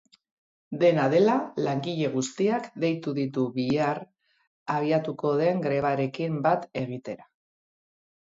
Dena dela, langile guztiak deitu ditu bihar abiatuko den grebarekin bat egitera.